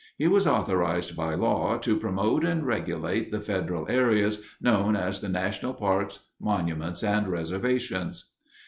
He was authorized by law to "promote and regulate the federal areas known as the national parks, monuments, and reservations."